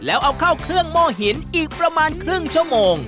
แล้วเอาเข้าเครื่องโม่หินอีกประมาณครึ่งชั่วโมง